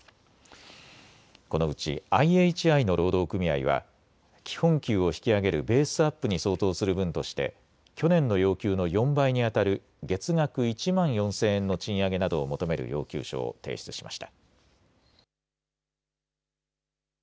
このうちＩＨＩの労働組合は基本給を引き上げるベースアップに相当する分として去年の要求の４倍にあたる月額１万４０００円の賃上げなどを求める要求書を提出しました。